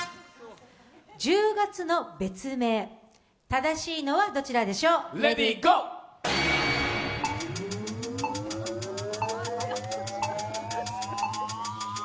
１０月の別名、正しいのはどちらでしょう、レディーゴー。